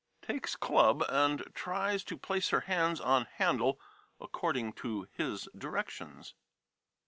[Takes club and tries to place her hands on handle according to his directions.